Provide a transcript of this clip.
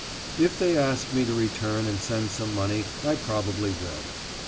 If they ask me to return and send some money, I probably will.